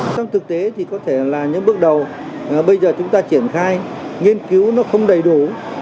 trong thực tế thì có thể là những bước đầu bây giờ chúng ta triển khai nghiên cứu nó không đầy đủ